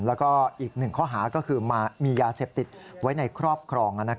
แล้วก็อีกหนึ่งข้อหาก็คือมียาเสพติดไว้ในครอบครอง